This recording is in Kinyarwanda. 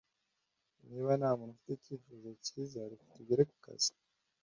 Niba ntamuntu ufite icyifuzo cyiza, reka tugere kukazi.